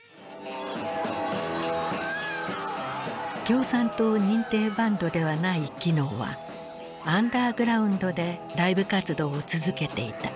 共産党認定バンドではないキノーはアンダーグラウンドでライブ活動を続けていた。